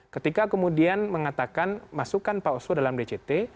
ketika kemudian mengatakan masukkan pak oswo dalam dct